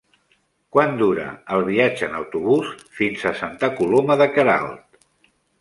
Quant dura el viatge en autobús fins a Santa Coloma de Queralt?